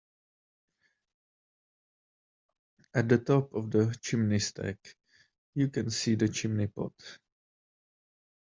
At the top of the chimney stack, you can see the chimney pot